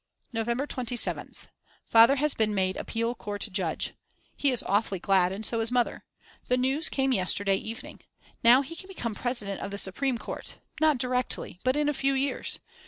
November 27th. Father has been made Appeal Court Judge. He is awfully glad and so is Mother. The news came yesterday evening. Now he can become President of the Supreme Court, not directly, but in a few years.